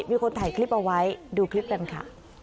มีคนถ่ายคลิปเอาไว้ดูคลิปกันค่ะ